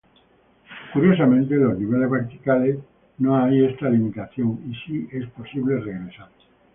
Curiosamente, en los niveles verticales, no hay esta limitación y si es posible regresar.